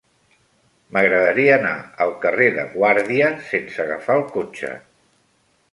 M'agradaria anar al carrer de Guàrdia sense agafar el cotxe.